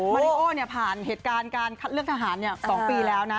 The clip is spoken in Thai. มาริโอผ่านเหตุการณ์การคัดเลือกทหาร๒ปีแล้วนะ